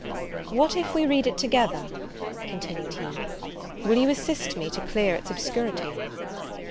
"What if we read it together?" continued he, "will you assist me to clear its obscurity?"